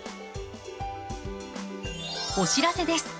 お知らせです。